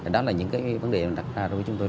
đó là những cái vấn đề đặt ra đối với chúng tôi